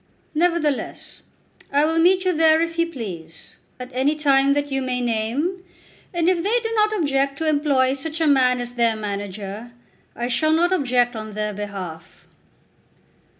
"Nevertheless, I will meet you there if you please, at any time that you may name, and if they do not object to employ such a man as their manager, I shall not object on their behalf."